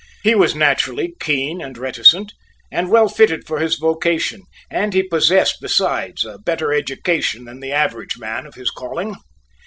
He was naturally keen and reticent, and well fitted for his vocation, and he possessed besides a better education than the average man of his calling.